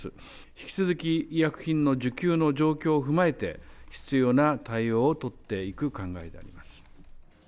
引き続き、医薬品の需給の状況を踏まえて、必要な対応を取っていく考えであります。